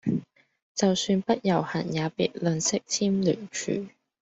就算不遊行也別吝嗇簽聯署